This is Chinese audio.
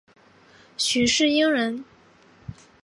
许世英人。